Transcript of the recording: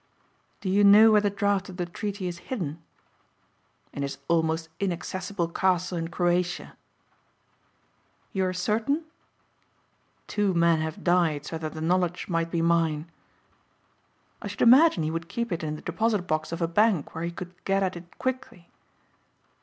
"Do you know where the draft of the treaty is hidden?" "In his almost inaccessible castle in Croatia." "You are certain?" "Two men have died so that the knowledge might be mine." "I should imagine he would keep it in the deposit box of a bank where he could get at it quickly."